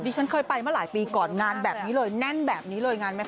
ฉันเคยไปมาหลายปีก่อนงานแบบนี้เลยแน่นแบบนี้เลยงานไหม